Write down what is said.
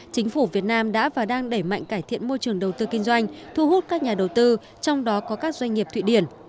chính phủ việt nam đã và đang đẩy mạnh cải thiện môi trường đầu tư kinh doanh thu hút các nhà đầu tư trong đó có các doanh nghiệp thụy điển